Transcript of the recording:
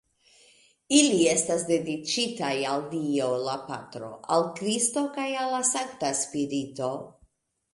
Ili estas dediĉitaj al Dio, la patro, al Kristo kaj al la Sankta Spirito.